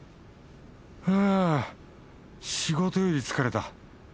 ふぅ仕事より疲れた。